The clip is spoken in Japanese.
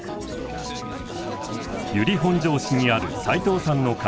由利本荘市にある齊藤さんの会社です。